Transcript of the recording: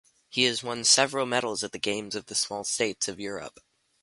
He has won several medals at the Games of the Small States of Europe.